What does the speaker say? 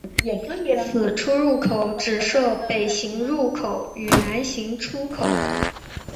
此出入口只设北行入口与南行出口。